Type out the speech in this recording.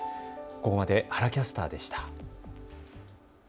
ここまで原キャスターでした。